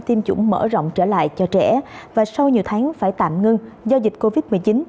tiêm chủng mở rộng trở lại cho trẻ và sau nhiều tháng phải tạm ngưng do dịch covid một mươi chín